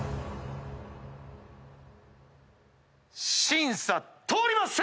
審査通ります！